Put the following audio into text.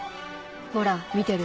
ほら見てる？